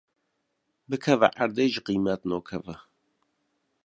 bikeve erdê jî qîmet nakeve.